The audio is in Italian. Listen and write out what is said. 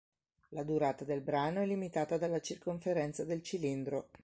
La durata del brano è limitata dalla circonferenza del cilindro.